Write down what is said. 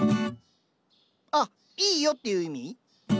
あっ「いいよ」っていう意味？